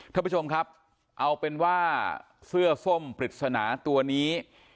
ท่านผู้ชมครับเอาเป็นว่าเสื้อส้มปริศนาตัวนี้